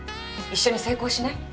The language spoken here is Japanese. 一緒に成功しない？